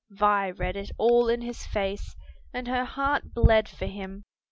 Vi read it all in his face, and her heart bled for him.